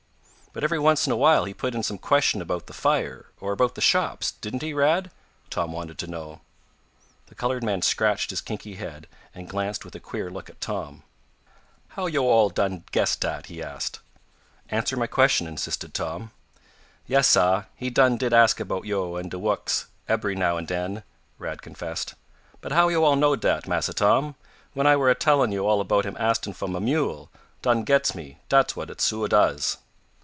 "But every once in a while he put in some question about the fire, or about our shops, didn't he, Rad?" Tom wanted to know. The colored man scratched his kinky head, and glanced with a queer look at Tom. "How yo' all done guess dat?" he asked. "Answer my question," insisted Tom. "Yes, sah, he done did ask about yo', and de wuks, ebery now and den," Rad confessed. "But how yo' all knowed dat, Massa Tom, when I were a tellin' yo' all about him astin' fo' mah mule, done gets me dat's what it suah does."